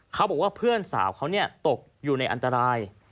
เขาบอกว่าเพื่อนสาวเขาตกอยู่ในอันตราย